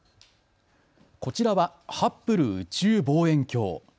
こちらはハッブル宇宙望遠鏡。